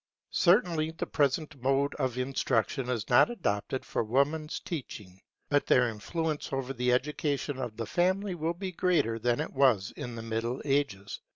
Certainly the present mode of instruction is not adopted for Woman's teaching. But their influence over the education of the future will be even greater than it was in the Middle Ages.